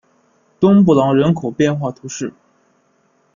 东布朗人口变化图示